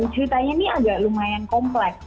ceritanya ini agak lumayan kompleks